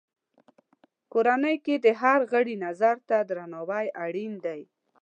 کورنۍ کې د هر غړي نظر ته درناوی اړین دی.